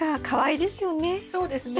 そうですね。